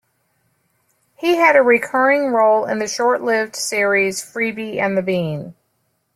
He had a recurring role in the short-lived series "Freebie and the Bean".